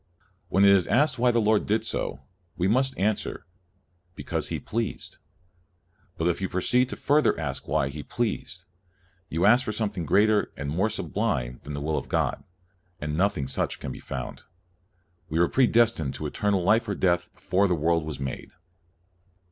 " When it is asked why the Lord did so, we must answer, Because He pleased. But if you proceed further to ask why He pleased, you ask for something greater and more sublime than the will of God, and nothing such can be found." We were predestined to eternal life or death before the world was made.